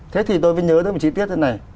thế thì tôi mới nhớ tới một chi tiết thế này